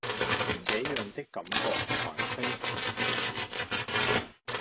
這樣的感覺還真是奇妙